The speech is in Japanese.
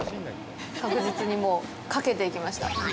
確実に、もう駆けていきました。